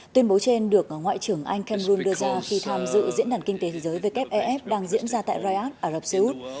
tuyên bố trên được ngoại trưởng anh cameron đưa ra khi tham dự diễn đàn kinh tế thế giới wff đang diễn ra tại riyadh ả rập xê út